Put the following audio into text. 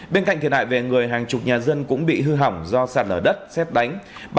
bên cạnh thiệt hại về người hàng chục nhà dân cũng bị hư hỏng do sạt lở đất xét đánh